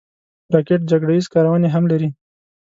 راکټ جګړه ییز کارونې هم لري